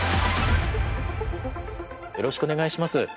よろしくお願いします。